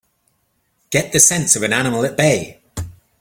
Get the sense of an animal at bay!